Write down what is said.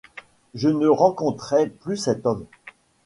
Je ne rencontrai plus cet homme.